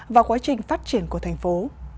và quá trình phát triển của thành phố